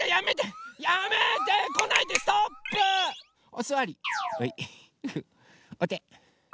おて。